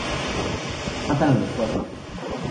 Matan a los cuatro.